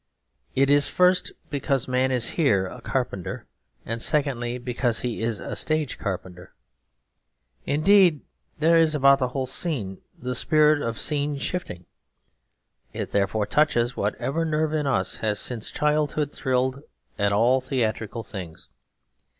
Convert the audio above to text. It is first because man is here a carpenter; and secondly because he is a stage carpenter. Indeed there is about the whole scene the spirit of scene shifting. It therefore touches whatever nerve in us has since childhood thrilled at all theatrical things.